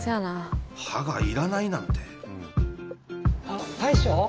歯がいらないなんてあっ大将